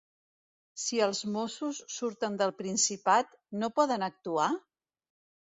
Si els mossos surten del Principat, no poden actuar?